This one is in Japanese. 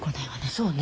そうね。